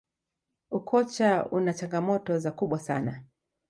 ukocha una changamoto za kubwa sana